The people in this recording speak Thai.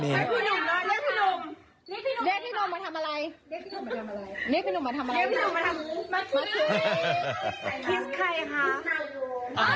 เรียกพี่หนุ่มมาทำอะไร